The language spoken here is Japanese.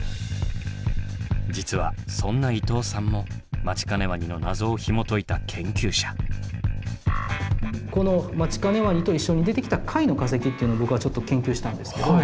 実はそんな伊藤さんもマチカネワニの謎をひもといた研究者。っていうのを僕はちょっと研究したんですけど。